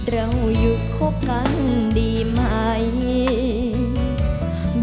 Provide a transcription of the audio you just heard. เราอยู่คบกันดีไหม